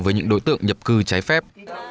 với những đối tượng nhập cư trái phép